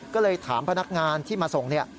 ก็เลยถามพนักงานที่มาส่ง